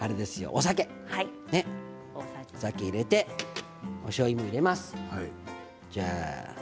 お酒を入れておしょうゆも入れます。